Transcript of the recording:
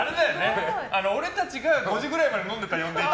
俺たちが５時ぐらいまで飲んでたら呼んでいい。